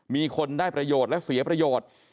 มีคนได้ประโยชน์และเสียประโยชน์